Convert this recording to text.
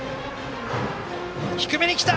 低めに来た！